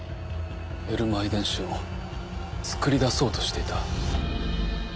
エルマー遺伝子をつくり出そうとしていた。